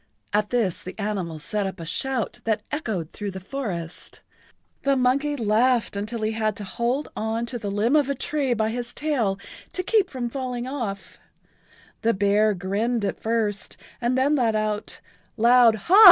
At this the animals set up a shout that echoed through the forest. The monkey laughed until he had to hold on to the limb of a tree by his tail to keep from falling off, the bear grinned at first and then let[Pg 79] out loud ha!